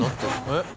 えっ？